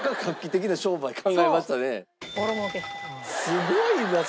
すごいな！